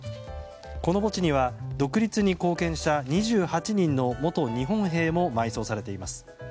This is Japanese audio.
この墓地には独立に貢献した２８人の元日本兵も埋葬されています。